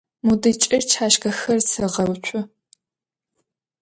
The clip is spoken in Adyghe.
Modıç'e çaşşkexer seğeutsu.